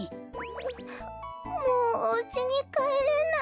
もうおうちにかえれない。